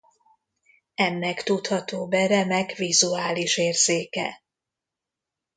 Ennek tudható be remek vizuális érzéke.